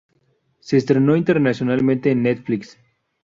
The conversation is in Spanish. Se estrenó internacionalmente en Netflix.